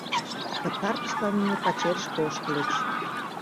Пытартышлан нуно пачерышке ошкыльыч.